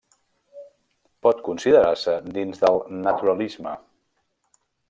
Pot considerar-se dins del Naturalisme.